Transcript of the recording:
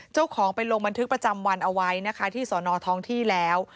เจ้าของไปลงบันทึกประจำวันเอาไว้นะคะที่สอนอท้องที่แล้ว